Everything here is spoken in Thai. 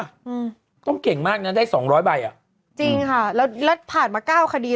อืมต้องเก่งมากน่ะได้สองร้อยใบอ่ะจริงค่ะแล้วแล้วผ่านมาเก้าคดี